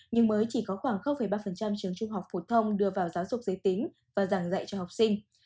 nhưng mới chỉ có khoảng ba trường trung học phổ thông đưa vào giáo dục giới tính và giảng dạy cho học sinh